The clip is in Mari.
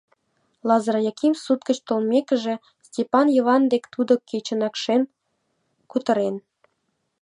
Лазыр Яким, суд гыч толмекыже, Стапан Йыван дек тудо кечынак шен кутырен.